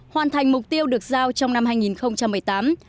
hoàn thành mục tiêu được giao trong năm hai nghìn một mươi tám